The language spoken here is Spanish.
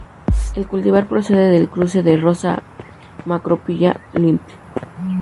El cultivar procede del cruce de "Rosa macrophylla" Lindl.